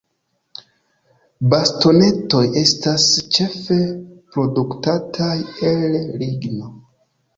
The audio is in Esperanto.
Bastonetoj estas ĉefe produktataj el ligno.